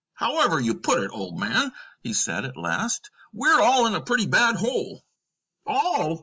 "However you put it, old man," he said at last, "we're all in a pretty bad hole." "All!"